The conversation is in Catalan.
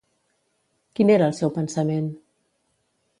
Quin era el seu pensament?